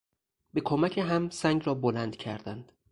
به کمک هم سنگ را بلند کردند.